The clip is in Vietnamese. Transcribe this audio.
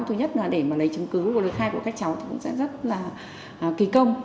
thứ nhất là để mà lấy chứng cứ và lời khai của các cháu thì cũng sẽ rất là kỳ công